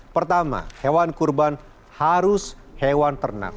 pertama hewan kurban harus hewan ternak